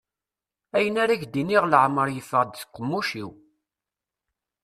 Ayen ara ak-d-iniɣ deg leɛmer yeffeɣ-d seg uqemmuc-iw.